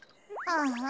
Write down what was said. ああ。